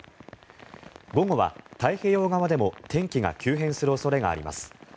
午後は太平洋側でも天気が急変する恐れがあります。